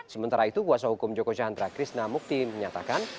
sementara itu kuasa hukum jokocandra krishna mukti menyatakan